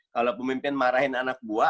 kalau pemimpin marahin anak buah